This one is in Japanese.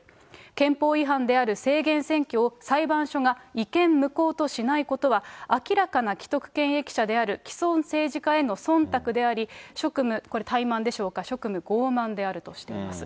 憲法違反である制限選挙を裁判所が違憲無効としないことは、明らかな既得権益者であるきそん政治家へのそんたくであり、職務、これ、怠慢でしょうか、職務傲慢であるとしています。